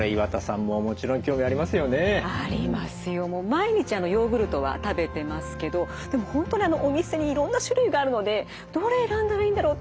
もう毎日ヨーグルトは食べてますけどでも本当にお店にいろんな種類があるのでどれ選んだらいいんだろうっていつも迷っちゃいますね。